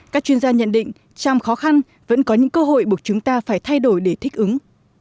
các chuyên gia nhận định trong khó khăn vẫn có những cơ hội buộc chúng ta phải thay đổi để thích ứng